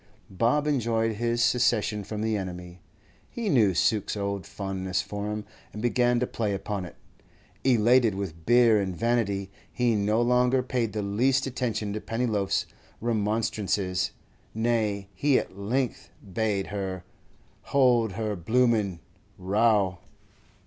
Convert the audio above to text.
Bob enjoyed this secession from the enemy. He knew Suke's old fondness for him, and began to play upon it. Elated with beer and vanity, he no longer paid the least attention to Pennyloaf's remonstrances; nay, he at length bade her 'hold her bloomin' row!